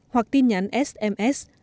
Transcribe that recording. hoặc tin nhắn sms